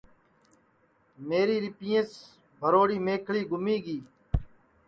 میری ریپئیس بھروڑی میکھݪی گُمی گی